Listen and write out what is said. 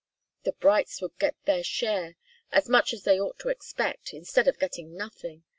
"The Brights would get their share as much as they ought to expect instead of getting nothing.